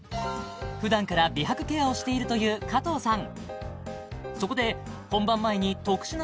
普段から美白ケアをしているという加藤さん